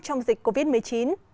trong dịch covid một mươi chín